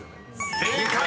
［正解！